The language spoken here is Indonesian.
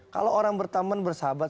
kalau orang berteman bersahabat